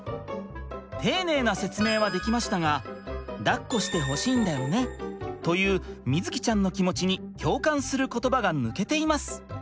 丁寧な説明はできましたが「だっこしてほしいんだよね」という瑞己ちゃんの気持ちに共感する言葉が抜けています。